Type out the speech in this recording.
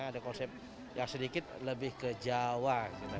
ada konsep yang sedikit lebih ke jawa